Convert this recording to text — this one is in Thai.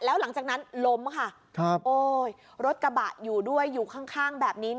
แล้วหลังจากนั้นล้มค่ะโอ้ยรถกระบะอยู่ด้วยอยู่ข้างแบบนี้